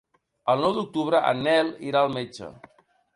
El nou d'octubre en Nel irà al metge.